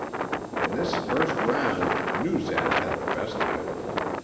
In this first round Noozak had the best of it.